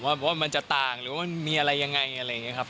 ว่ามันจะต่างหรือว่ามันมีอะไรยังไงอะไรอย่างนี้ครับ